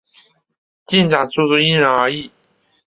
进展速度因人而异。